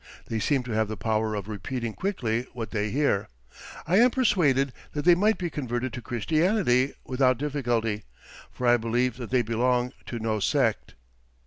They seem to have the power of repeating quickly what they hear. I am persuaded that they might be converted to Christianity without difficulty, for I believe that they belong to no sect."